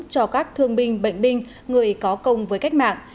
cho các thương binh bệnh binh người có công với cách mạng